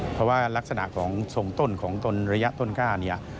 เพราะว่ารักษณะของทรงต้นของต้นระยะต้นกล้าเนี่ย